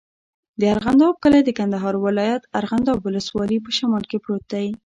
د ارغنداب کلی د کندهار ولایت، ارغنداب ولسوالي په شمال کې پروت دی.